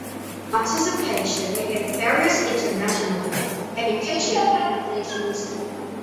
Participation in various international education organizations.